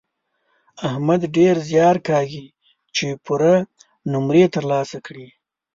احمد ډېر زیار کاږي چې پوره نومرې تر لاسه کړي.